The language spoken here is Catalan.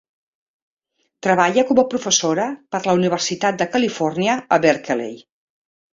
Treballa com a professora per a la Universitat de Califòrnia a Berkeley.